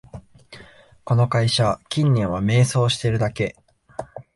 この会社、近年は迷走してるだけ